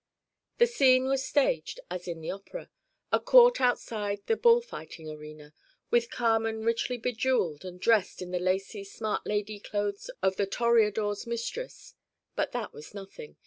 The scene was staged as in the opera a court outside the bull fighting arena, with Carmen richly bejeweled and dressed in the lacy smart lady clothes of the Toreador's mistress. But that was nothing.